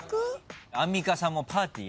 アンミカさんもパーティー。